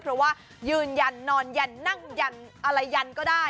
เพราะว่ายืนยันนอนยันนั่งยันอะไรยันก็ได้